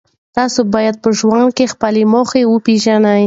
تاسو باید په ژوند کې خپلې موخې وپېژنئ.